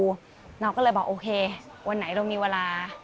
เราก็เลยบอกโอเควันไหนเรามีเวลา